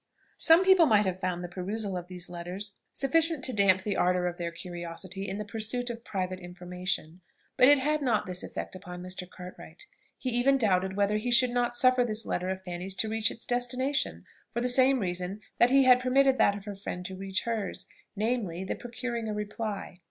Some people might have found the perusal of these letters sufficient to damp the ardour of their curiosity in the pursuit of private information; but it had not this effect upon Mr. Cartwright. He even doubted whether he should not suffer this letter of Fanny's to reach its destination for the same reason that he had permitted that of her friend to reach hers namely, the procuring a reply.